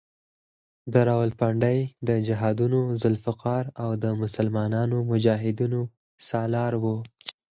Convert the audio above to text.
د راولپنډۍ د جهادونو ذوالفقار او د مسلمانو مجاهدینو سالار وو.